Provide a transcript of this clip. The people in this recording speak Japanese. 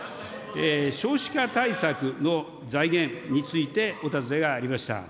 少子化対策の財源についてお尋ねがありました。